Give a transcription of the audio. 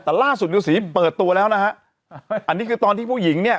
แต่ล่าสุดยูสีเปิดตัวแล้วนะฮะอันนี้คือตอนที่ผู้หญิงเนี่ย